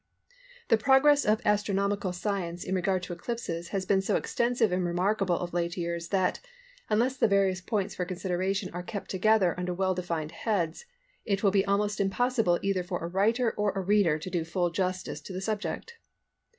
The progress of astronomical science in regard to eclipses has been so extensive and remarkable of late years that, unless the various points for consideration are kept together under well defined heads, it will be almost impossible either for a writer or a reader to do full justice to the subject.